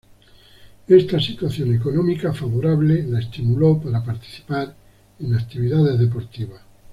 Esta situación económica favorable la estimuló para participar en actividades deportivas.